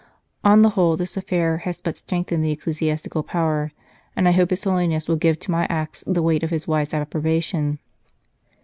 On the whole this affair has but strengthened the ecclesiastical power, and I hope His Holiness will give to my acts the weight of his wise approbation."